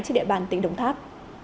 trên địa bàn tỉnh đồng tháp